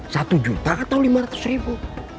satu juta atau lima ratus ribu